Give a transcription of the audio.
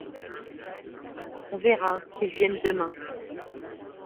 On verra, qu’il vienne demain.